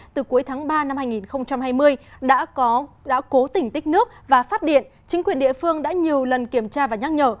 từ cuối tháng ba năm hai nghìn hai mươi đã cố tỉnh tích nước và phát điện chính quyền địa phương đã nhiều lần kiểm tra và nhắc nhở